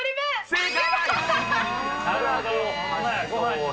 正解！